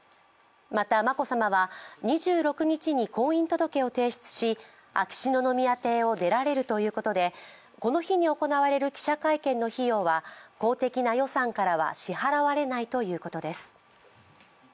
また、眞子さまは２６日に婚姻届を提出し秋篠宮邸を出られるということでこの日に行われる記者会見の費用は公的な予算からは支払われないということです。